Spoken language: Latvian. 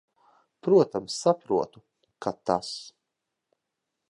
Protams, saprotu, ka tas.